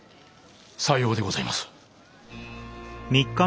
さようでございます。